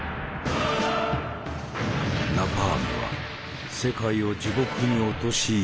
ナパームは世界を地獄に陥れてきた。